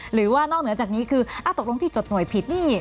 หรือว่านอกเหนือจากนี้คือตกลงที่จดหน่วยผิดนี่